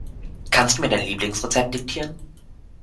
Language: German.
Kannst du mir dein Lieblingsrezept diktieren?